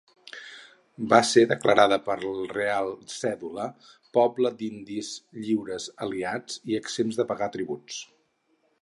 Va ser declarada per Reial Cèdula poble d'indis lliures aliats i exempts de pagar tributs.